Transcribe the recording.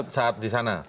saat di sana